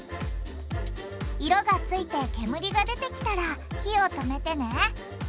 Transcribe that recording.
色がついて煙が出てきたら火を止めてね。